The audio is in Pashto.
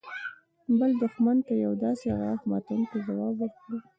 بل دښمن ته يو داسې غاښ ماتونکى ځواب ورکړل.